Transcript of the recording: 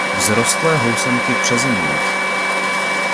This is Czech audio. Vzrostlé housenky přezimují.